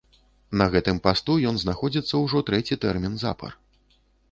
На гэтым пасту ён знаходзіцца ўжо трэці тэрмін запар.